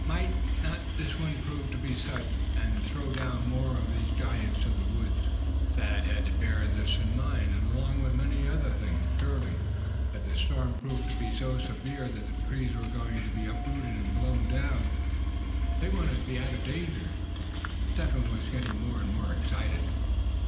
Might not this one prove to be such, and throw down more of these giants of the woods? Thad had to bear this in mind, along with many other things. Surely, if the storm proved to be so severe that trees were going to be uprooted and blown down, they wanted to be out of danger. Step Hen was getting more and more excited.